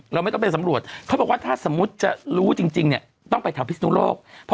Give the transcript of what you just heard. เราไม่ต้องไปสำรวจเขาบอกว่าถ้าสมมุติจะรู้จริงเนี่ยต้องไปแถวพิศนุโลก